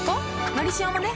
「のりしお」もね